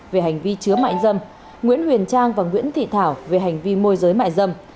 về hành vi chứa mại dâm nguyễn huyền trang và nguyễn thị thảo về hành vi môi giới mại dâm